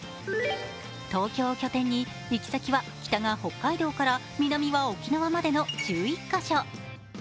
東京を拠点に、行き先が北は北海道から南は沖縄までの１１か所。